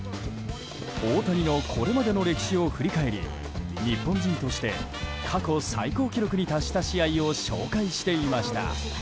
大谷のこれまでの歴史を振り返り日本人として過去最高記録に達した試合を紹介していました。